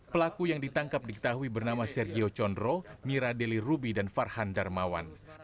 pelaku yang ditangkap diketahui bernama sergio condro mira deli rubi dan farhan darmawan